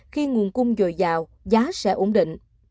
khi nguồn cung dồi dào giá sẽ ổn định